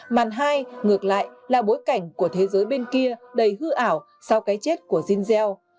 màn hai ngược lại là bối cảnh của thế giới bên kia đầy hư ảo sau cái chết của jean gell